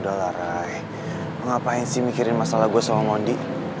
udah lah raya lo ngapain sih mikirin masalah gue sama mondi